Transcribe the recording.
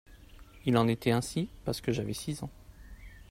Il en était ainsi parce que j'avais six ans.